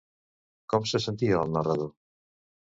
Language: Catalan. Com se sentia el narrador?